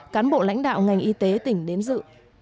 cán bộ lãnh đạo ngành y tế tỉnh đến dự